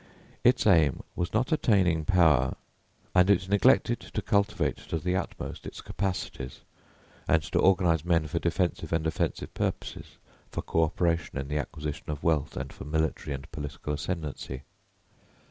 Its aim was not attaining power, and it neglected to cultivate to the utmost its capacities, and to organise men for defensive and offensive purposes, for co operation in the acquisition of wealth and for military and political ascendancy.